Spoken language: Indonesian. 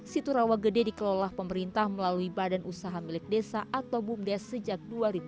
situ rawagede dikelola pemerintah melalui badan usaha milik desa atau bumdes sejak dua ribu tujuh belas